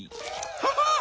ハハッ。